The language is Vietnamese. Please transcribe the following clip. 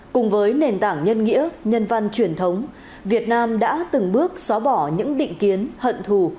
cùng với nền tảng nhân nghĩa nhân văn truyền thống việt nam đã từng bước xóa bỏ những định kiến hận thù